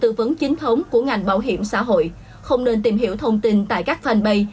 tất cả các tư vấn chính thống của ngành bảo hiểm xã hội không nên tìm hiểu thông tin tại các fanpage